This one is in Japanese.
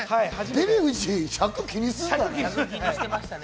デヴィ夫人、尺を気にするんだね。